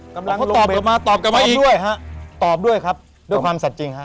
กำลังตอบกลับมาอีกตอบด้วยครับด้วยความสัดจริงครับ